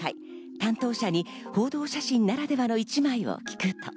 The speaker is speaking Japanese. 担当者に報道写真ならではの一枚を聞くと。